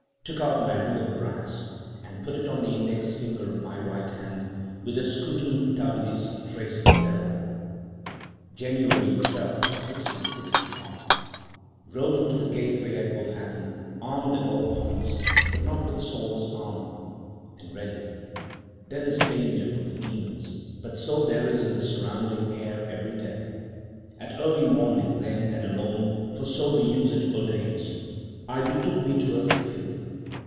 Took out my ring of brass, and put it on the index finger of my right hand, with the scutum Davidis traced thereon. "January 12, 1665.—Rode into the gateway at Botathen, armed at all points, but not with Saul's armour, and ready. There is danger from the demons, but so there is in the surrounding air every day. At early morning then, and alone,—for so the usage ordains,—I betook me towards the field.